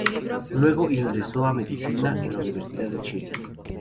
Luego ingresó a Medicina en la Universidad de Chile.